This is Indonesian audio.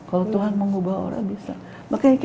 kalau tuhan mau mengubah orang bisa